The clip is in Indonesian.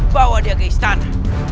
bawa dia ke istana